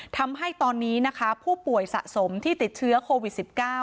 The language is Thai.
ทำให้ตอนนี้นะคะผู้ป่วยสะสมที่ติดเชื้อโควิด๑๙